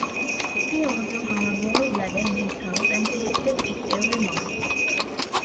He also hung a gall bladder in his house and tasted it every morning.